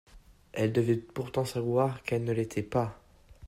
Elle devait pourtant savoir qu'elle ne l'était pas.